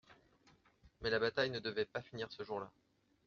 Mais la bataille ne devait pas finir ce jour-là.